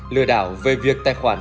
lừa đảo về việc tài khoản